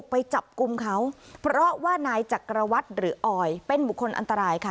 เพราะว่านายจักรวัตรหรือออยเป็นบุคคลอันตรายค่ะ